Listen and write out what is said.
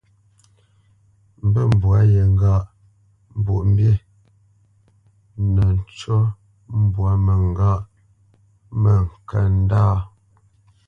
Mbə̂t mbwa ye ŋgâʼ : Mbwoʼmbǐ nə ncu mbwá mə ŋgâʼ mə ŋkə ndâ.